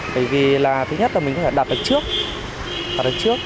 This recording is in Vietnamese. bởi vì là thứ nhất là mình có thể đặt được trước đạt được trước